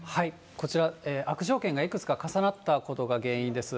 こちら、悪条件がいくつか重なったことが原因です。